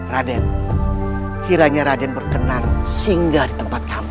raden kiranya raden berkenan singgah di tempat kamu